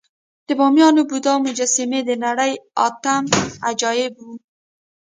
د بامیانو بودا مجسمې د نړۍ اتم عجایب وو